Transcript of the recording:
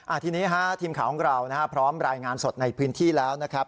ทีนี้ฮะทีมข่าวของเรานะฮะพร้อมรายงานสดในพื้นที่แล้วนะครับ